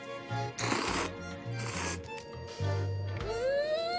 うん！